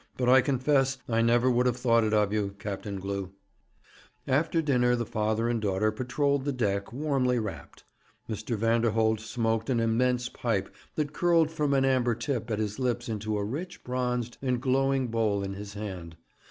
'But I confess I never would have thought it of you, Captain Glew.' After dinner the father and daughter patrolled the deck, warmly wrapped. Mr. Vanderholt smoked an immense pipe that curled from an amber tip at his lips into a richly bronzed and glowing bowl in his hand.